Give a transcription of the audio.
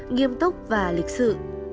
nghiêm túc và lịch sự